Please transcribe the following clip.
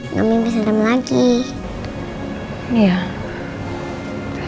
ngamil mpih serem lagi